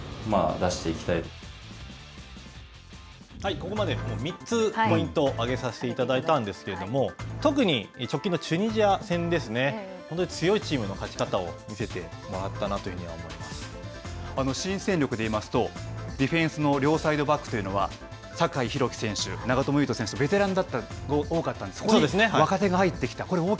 ここまで３つポイントを挙げさしていただいたんですけれども、特に直近のチュニジア戦ですね、本当に強いチームの勝ち方を見せてもらったなというふうには思い新戦力でいいますと、ディフェンスの両サイドバックというのは、酒井宏樹選手、長友佑都選手、ベテランが多かったんですが、若手が入ってきた。